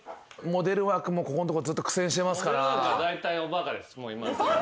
モデル枠もここんとこずっと苦戦してますから。